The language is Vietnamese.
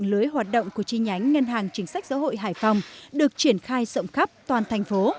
lưới hoạt động của chi nhánh ngân hàng chính sách xã hội hải phòng được triển khai rộng khắp toàn thành phố